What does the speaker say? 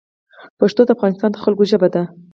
پښتو د افغانستان د خلګو ژبه ده